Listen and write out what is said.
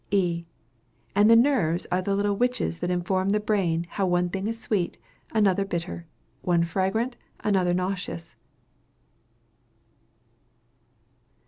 E. And the nerves are the little witches that inform the brain how one thing is sweet, another bitter; one fragrant, another nauseous.